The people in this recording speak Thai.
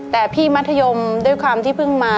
แต่พี่มัธยมด้วยความที่เพิ่งมา